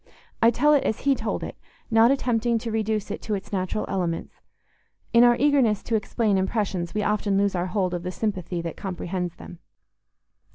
I tell it as he told it, not attempting to reduce it to its natural elements—in our eagerness to explain impressions, we often lose our hold of the sympathy that comprehends them.